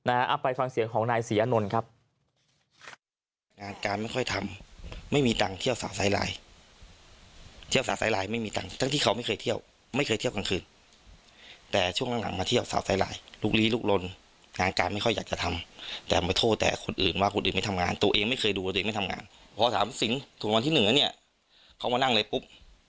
เอาไปฟังเสียงของนายศรีอานนท์ครับ